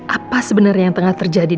apa sebenarnya yang tengah terjadi